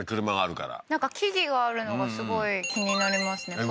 車があるからなんか木々があるのがすごい気になりますね